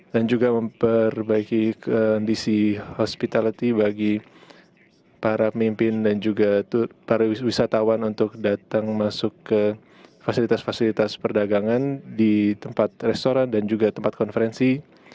dan juga memperbaiki kondisi hospitality bagi para pemimpin dan juga para wisatawan untuk datang masuk ke fasilitas fasilitas perdagangan di tempat restoran dan juga tempat konferensi